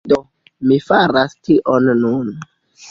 Do, mi faras tion nun